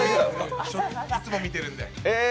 いつも見てるんで。